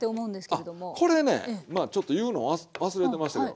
あっこれねまあちょっと言うの忘れてましたけど。